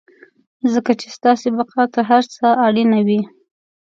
ځکه چې ستاسې بقا تر هر څه اړينه وي.